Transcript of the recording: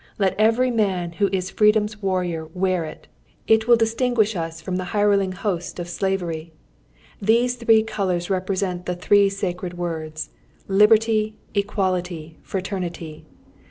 Let every man who is Freedom's warrior wear it; it will distinguish us from the hireling host of slavery! These three colours represent the three sacred words: Liberty, Equality, Fraternity!